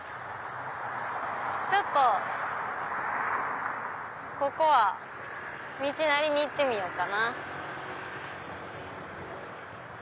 ちょっとここは道なりに行ってみようかな。